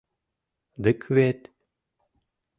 — Дык вет...